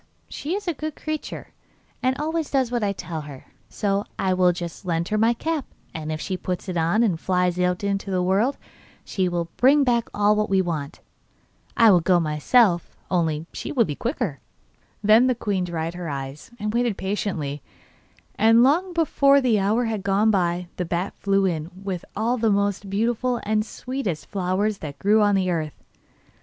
She is a good creature, and always does what I tell her, so I will just lend her my cap, and if she puts it on, and flies into the world, she will bring back all we want. I would go myself, only she will be quicker.' Then the queen dried her eyes, and waited patiently, and long before the hour had gone by the bat flew in with all the most beautiful and sweetest flowers that grew on the earth.